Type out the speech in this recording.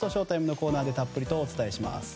ＳＨＯ‐ＴＩＭＥのコーナーでたっぷりとお伝えします。